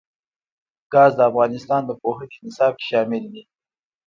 ګاز د افغانستان د پوهنې نصاب کې شامل دي.